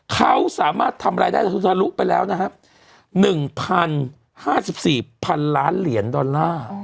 เขาสามารถทำรายได้ทะลุไปแล้วนะฮะ๑๐๕๔๐๐๐ล้านเหรียญดอลลาร์